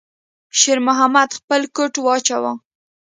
شېرمحمد خپل کوټ واچاوه.